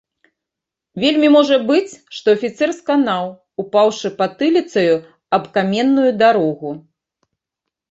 Вельмі можа быць, што афіцэр сканаў, упаўшы патыліцаю аб каменную дарогу.